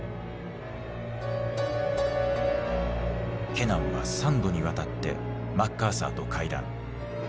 ケナンは３度にわたってマッカーサーと会談。